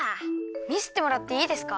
みせてもらっていいですか？